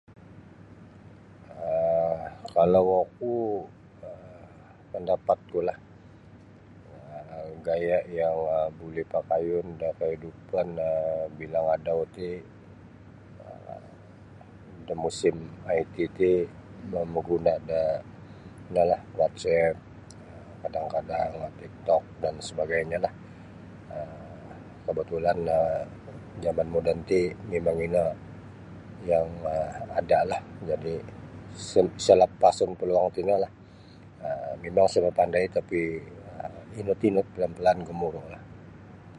um kalau oku um pandapatkulah um gaya' yang buli pakayun da kaidupan um bilang adau ti um da musim IT ti mamaguna' da inolah whatsapp kadang-kadang tik tok dan sabagainyolah um kabatulan da jaman moden ti mimang ino yang ada lah jadi isa lapasun paluang tino lah mimang isa mapandailah tapi inut-inut pelan-pelan gumuru' lah